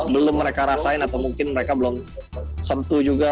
belum mereka rasain atau mungkin mereka belum sentuh juga